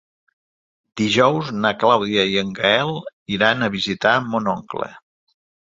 Dijous na Clàudia i en Gaël iran a visitar mon oncle.